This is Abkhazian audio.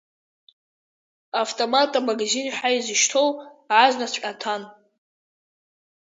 Автомат амагазин ҳәа изышьҭоу азнаҵәҟьа ҭан.